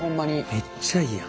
めっちゃいいやん。